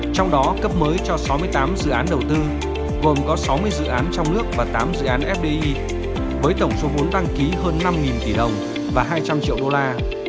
trong đó cấp mới cho sáu mươi tám dự án đầu tư gồm có sáu mươi dự án trong nước và tám dự án fdi với tổng số vốn đăng ký hơn năm tỷ đồng và hai trăm linh triệu đô la